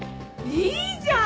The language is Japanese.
いいじゃん！